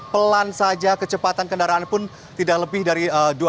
pelan saja kecepatan kendaraan pun tidak lebih dari